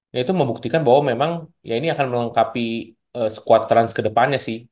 nah itu membuktikan bahwa memang ya ini akan melengkapi sekuat trans ke depannya sih